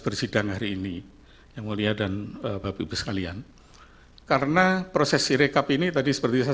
bersidang hari ini yang mulia dan bapak ibu sekalian karena prosesi rekap ini tadi seperti saya